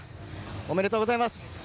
おめでとうございます。